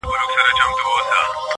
د سیالانو په ټولۍ کي یې تول سپک سي-